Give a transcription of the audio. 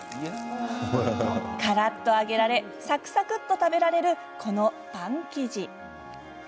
からっと揚げられ、サクサクと食べられるこのパン生地。